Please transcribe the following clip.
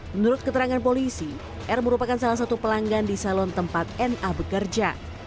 menurut keterangan polisi r merupakan salah satu pelanggan di salon tempat na bekerja